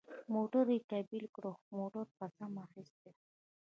موټر یې کېبل کړ، خو موټر قسم اخیستی و.